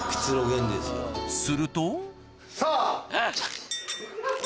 するとさぁ！